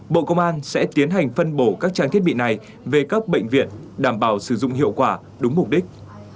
bộ công an sẽ tiến hành phân bổ các trang thiết bị này về các bệnh viện đảm bảo sử dụng hiệu quả đúng mục đích